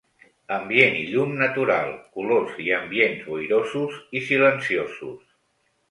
Ambient i llum natural ; colors i ambients boirosos i silenciosos.